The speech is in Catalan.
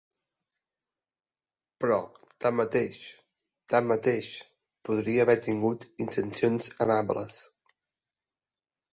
Però tanmateix, tanmateix, podria haver tingut intencions amables.